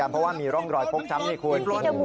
เพราะว่ามีร่องรอยโป๊กชั้นดิ้ควร